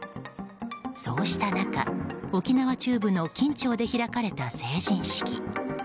そうした中、沖縄中部の金武町で開かれた成人式。